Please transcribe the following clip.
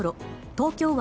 東京湾